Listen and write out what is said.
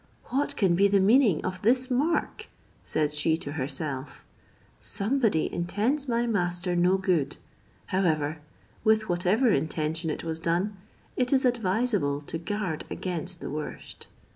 "What can be the meaning of this mark?" said she to herself; "somebody intends my master no good: however, with whatever intention it was done, it is advisable to guard against the worst."